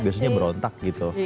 biasanya berontak gitu